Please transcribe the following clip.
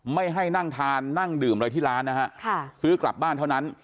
ไม่ให้นั่งทานนั่งดื่มอะไรที่ร้านนะฮะซื้อกลับบ้านเท่านั้น